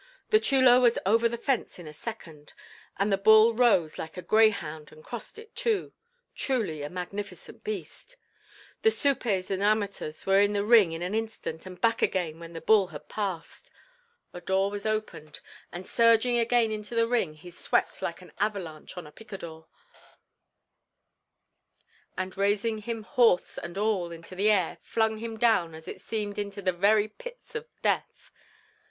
The chulo was over the fence in a second, and the bull rose like a greyhound and crossed it, too. Truly a magnificent beast. The supes and amateurs were in the ring in an instant and back again when the bull had passed. A door was opened, and surging again into the ring he swept like an avalanche on a picador, and raising him horse and all into the air flung him down as it seemed into the very pits of death.